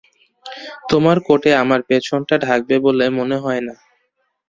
তোমার কোটে আমার পেছনটা ঢাকবে বলে মনে হয় না।